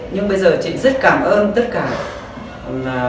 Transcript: nhưng bây giờ chị rất cảm ơn tất cả